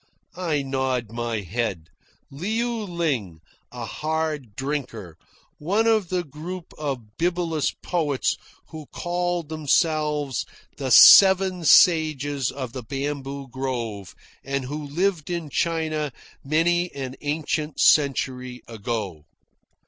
I nod my head Liu Ling, a hard drinker, one of the group of bibulous poets who called themselves the Seven Sages of the Bamboo Grove and who lived in China many an ancient century ago.